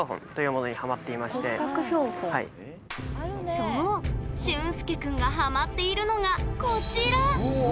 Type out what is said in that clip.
そう、しゅんすけ君がハマっているのが、こちら。